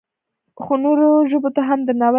خو نورو ژبو ته هم درناوی وکړو.